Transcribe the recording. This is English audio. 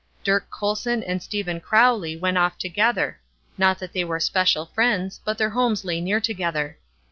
Dirk Colson and Stephen Crowley went off together; not that they were special friends, but their homes lay near together.